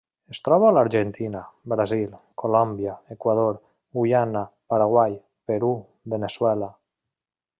Es troba a l'Argentina, Brasil, Colòmbia, Equador, Guyana, Paraguai, Perú, Veneçuela.